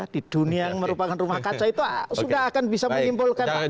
di dunia yang merupakan rumah kaca itu sudah akan bisa menyimpulkan